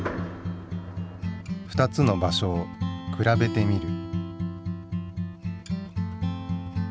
２つの場所をくらべてみる。